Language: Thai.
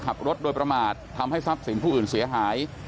ขับรถโดยประมาททำให้ทรัพย์สินผู้อื่นเสียหาย